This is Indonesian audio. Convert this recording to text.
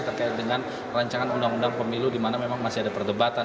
terkait dengan rancangan undang undang pemilu di mana memang masih ada perdebatan